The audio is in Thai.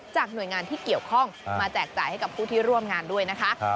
หน่วยงานที่เกี่ยวข้องมาแจกจ่ายให้กับผู้ที่ร่วมงานด้วยนะคะ